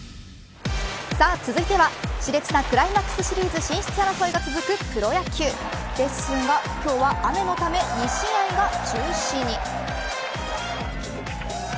続いてはし烈なクライマックスシリーズ進出争いが続くプロ野球ですが、今日は雨のため２試合が中止に。